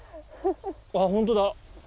あ本当だ。